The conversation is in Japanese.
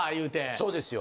そうですよ。